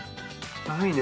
ないね。